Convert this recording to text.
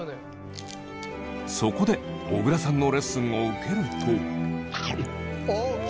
そこで小倉さんのレッスンを受けると。